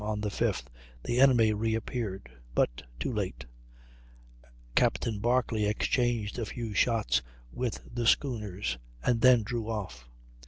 on the 5th, the enemy reappeared, but too late; Captain Barclay exchanged a few shots with the schooners and then drew off.